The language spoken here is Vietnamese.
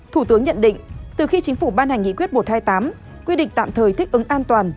thủ tướng nhận định từ khi chính phủ ban hành nghị quyết một trăm hai mươi tám quy định tạm thời thích ứng an toàn